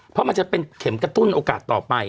เพราะมันจะเป็นเข็มกระตุ้นโอกาสต่อไป